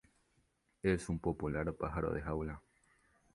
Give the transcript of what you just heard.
Es un popular pájaro de jaula.